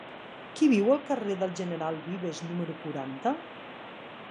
Qui viu al carrer del General Vives número quaranta?